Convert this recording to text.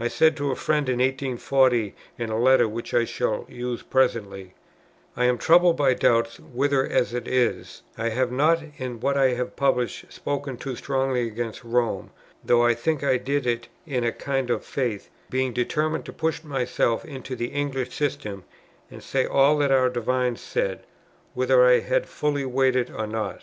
I said to a friend in 1840, in a letter, which I shall use presently, "I am troubled by doubts whether as it is, I have not, in what I have published, spoken too strongly against Rome, though I think I did it in a kind of faith, being determined to put myself into the English system, and say all that our divines said, whether I had fully weighed it or not."